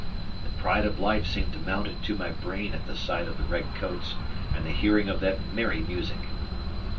The pride of life seemed to mount into my brain at the sight of the red coats and the hearing of that merry music.